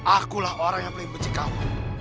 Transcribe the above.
akulah orang yang paling benci kamu